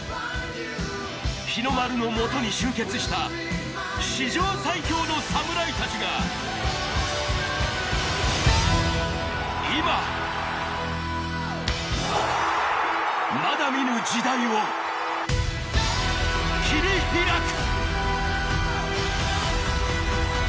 日の丸のもとに集結した史上最強の侍たちが今、まだ見ぬ時代を切り開く。